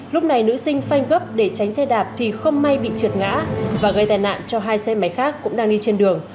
lúc này nữ sinh phanh gấp để tránh xe đạp thì không may bị trượt ngã và gây tai nạn cho hai xe máy khác cũng đang đi trên đường